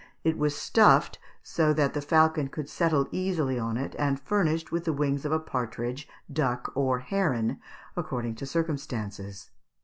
It was stuffed so that the falcon could settle easily on it, and furnished with the wings of a partridge, duck, or heron, according to circumstances.